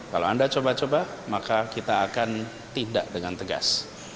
kalau anda coba coba maka kita akan tindak dengan tegas